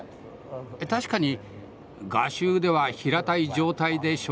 確かに画集では平たい状態で紹介されます。